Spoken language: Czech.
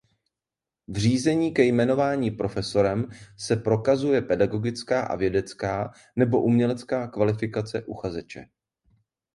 V řízení ke jmenování profesorem se prokazuje pedagogická a vědecká nebo umělecká kvalifikace uchazeče.